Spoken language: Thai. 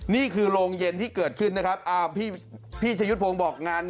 นี่คือโรงเย็นที่เกิดขึ้นนะครับ